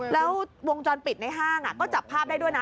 แล้ววงจรปิดในห้างก็จับภาพได้ด้วยนะ